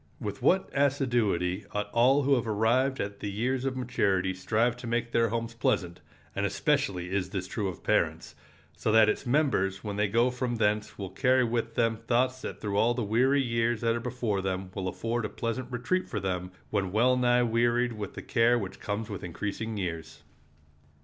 With what assiduity ought all who have arrived at the years of maturity strive to make their homes pleasant—and especially is this true of parents—so that its members when they go from thence will carry with them thoughts that through all the weary years that are before them will afford a pleasant retreat for them when well nigh wearied with the care which comes with increasing years.